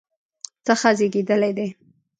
څخه زیږیدلی دی